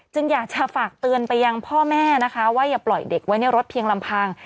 อยากจะฝากเตือนไปยังพ่อแม่นะคะว่าอย่าปล่อยเด็กไว้ในรถเพียงลำพัง